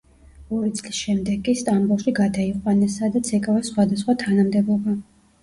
ორი წლის შემდეგ კი სტამბოლში გადაიყვანეს, სადაც ეკავა სხვადასხვა თანამდებობა.